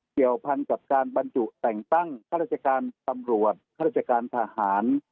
เกี่ยวพันกับการบรรจุแต่งตั้งข้าราชการตำรวจข้าราชการทหาร